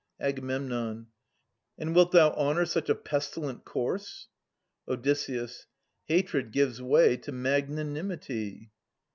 Ag. And wilt thou honour such a pestilent corse ? Od. Hatred gives way to magnanimity.